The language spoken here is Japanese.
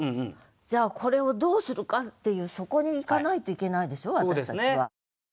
じゃあこれをどうするかっていうそこにいかないといけないでしょ私たちは。